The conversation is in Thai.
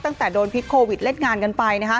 ตั้งแต่โดนพิษโควิดเล่นงานกันไปนะคะ